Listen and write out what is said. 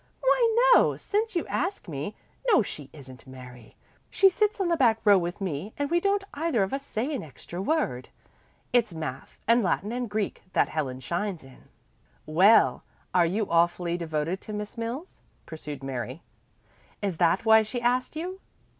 "Why no, since you ask me. No, she isn't, Mary. She sits on the back row with me and we don't either of us say an extra word. It's math, and Latin and Greek that Helen shines in." "Well, are you awfully devoted to Miss Mills?" pursued Mary. "Is that why she asked you?"